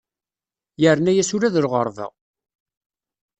Yerna-as ula d lɣerba.